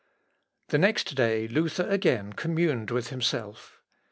The next day Luther again communed with himself.